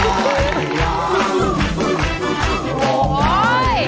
ร้องไปกับสายน้ำง